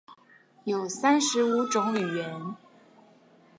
有三十五種語言